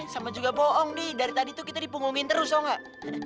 sama juga bohong di dari tadi tuh kita dipungungin terus tau nggak